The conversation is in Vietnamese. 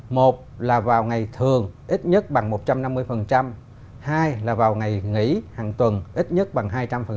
một là vào ngày thường ít nhất bằng một trăm năm mươi hai là vào ngày nghỉ hàng tuần ít nhất bằng hai trăm linh